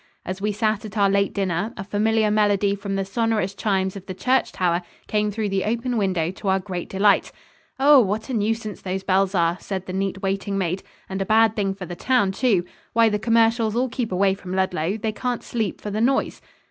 As we sat at our late dinner, a familiar melody from the sonorous chimes of the church tower came through the open window to our great delight. "O, what a nuisance those bells are," said the neat waiting maid, "and a bad thing for the town, too. Why, the commercials all keep away from Ludlow. They can't sleep for the noise."